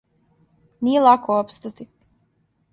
Није лако опстати.